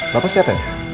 bapak siapa ya